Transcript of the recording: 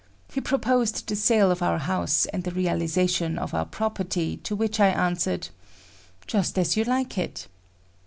He proposed the sale of our house and the realization of our property, to which I answered "Just as you like it."